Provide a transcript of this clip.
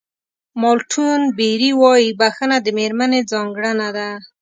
مالټون بېري وایي بښنه د مېرمنې ځانګړنه ده.